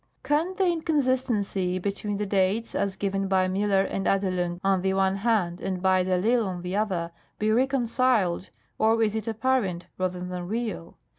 Can the inconsistency between the dates, as given by Miiller and Adelung on the one hand, and hy de I'Isle on the other, be reconciled, or is it apparent rather than real